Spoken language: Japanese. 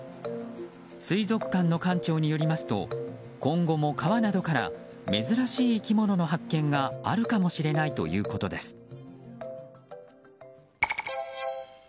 水族館の館長によりますと今後も川などから珍しい生き物の発見があるかもしれないということです。